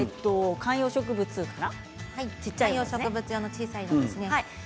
観葉植物用の小さいものです。